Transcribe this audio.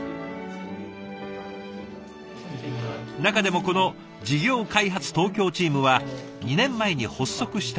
中でもこの事業開発東京チームは２年前に発足したばかり。